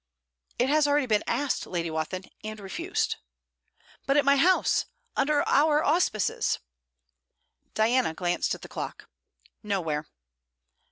'It has already been asked, Lady Wathin, and refused.' 'But at my house under our auspices!' Diana glanced at the clock. 'Nowhere.'